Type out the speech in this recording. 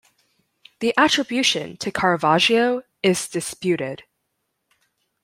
The attribution to Caravaggio is disputed.